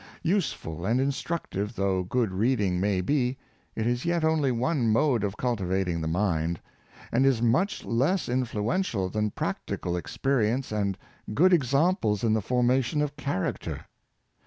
Useful and instructive though good reading may be, it is yet only one mode of cultivating the mind; and is much less influential than practical experience and good example in the formation of character.